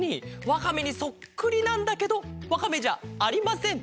わかめにそっくりなんだけどわかめじゃありません。